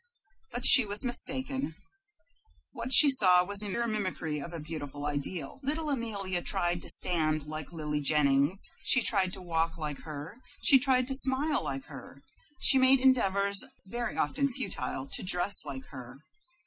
But she was mistaken. What she saw was pure mimicry of a beautiful ideal. Little Amelia tried to stand like Lily Jennings; she tried to walk like her; she tried to smile like her; she made endeavors, very often futile, to dress like her.